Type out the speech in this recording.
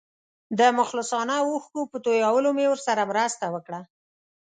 د مخلصانه اوښکو په تویولو مې ورسره مرسته وکړه.